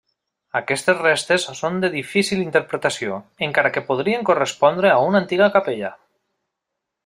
Aquestes restes són de difícil interpretació, encara que podrien correspondre a una antiga capella.